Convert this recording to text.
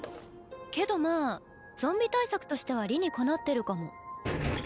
けどまあゾンビ対策としては理にかなってるかも。